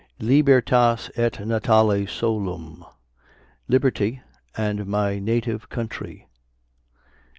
Libertas et natale solum. Liberty and my native country.